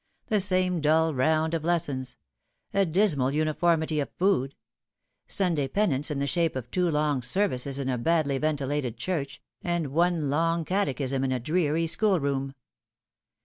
The same dull round of lessons ; a dismal uniformity of food ; Sunday penance in the shape of two long services in a badly ventilated church, aiid one long catechism in a dreary schoolroom.